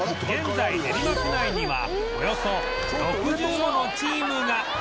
現在練馬区内にはおよそ６０ものチームが！